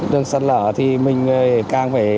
đường sạt lở thì mình càng phải